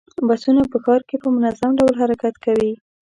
بسونه په ښار کې په منظم ډول حرکت کوي.